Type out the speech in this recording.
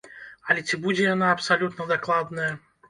Але ці будзе яна абсалютна дакладная?